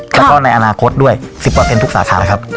แล้วก็ในอนาคตด้วย๑๐ทุกสาขาครับ